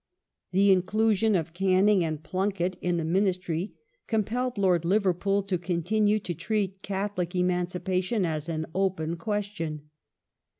The inclusion of Canning and Plunket in the Ministry compelled Lord Liverpool to continue to treat Catholic emancipa tion as an "open question".